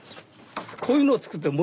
こういうのを作ってる。